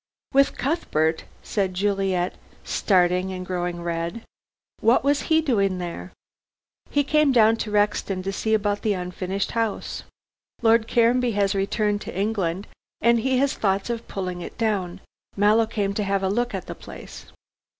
"With Cuthbert," said Juliet, starting and growing red. "What was he doing there?" "He came down to Rexton to see about the unfinished house. Lord Caranby has returned to England, and he has thoughts of pulling it down. Mallow came to have a look at the place."